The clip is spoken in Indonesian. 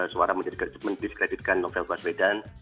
suara mendiskreditkan novel baswedan